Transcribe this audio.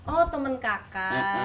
oh teman kakak